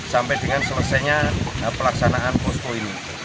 sampai dengan selesainya pelaksanaan posko ini